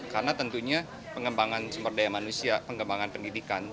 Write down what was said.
karena tentunya pengembangan sumber daya manusia pengembangan pendidikan